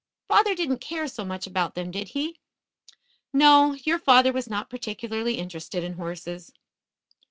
"Father didn't care so much about them, did he?" "No, your father was not particularly interested in horses.